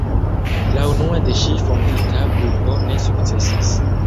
La unua de ŝi fondita grupo ne sukcesis.